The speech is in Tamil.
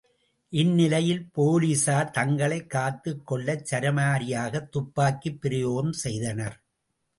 இந்நிலையில் போலீஸார் தங்களைக் காத்துக் கொள்ளச்சரமாரியாகத் துப்பாக்கிப் பிரயோகம் செய்தனர்.